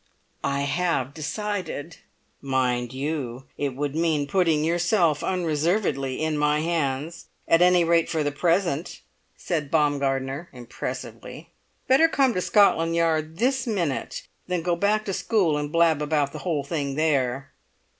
"I have decided." "Mind you, it would mean putting yourself unreservedly in my hands, at any rate for the present," said Baumgartner, impressively. "Better come to Scotland Yard this minute than go back to school and blab about the whole thing there!"